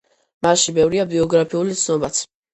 მასში ბევრია ბიოგრაფიული ცნობაც.